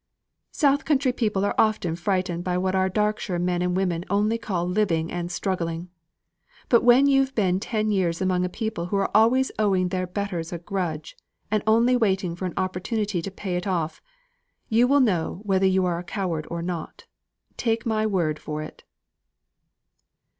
"South country people are often frightened by what our Darkshire men and women only call living and struggling. But when you've been ten years among a people who are always owing their betters a grudge, and only waiting for an opportunity to pay it off, you'll know whether you are a coward or not, take my word for it."